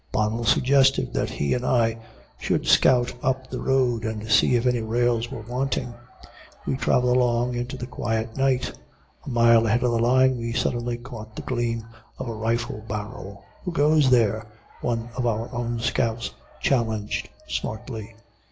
Bonnell suggested that he and I should scout up the road and see if any rails were wanting. We traveled along into the quiet night. A mile ahead of the line we suddenly caught the gleam of a rifle barrel. "Who goes there?" one of our own scouts challenged smartly.